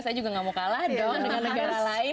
saya juga gak mau kalah dong dengan negara lain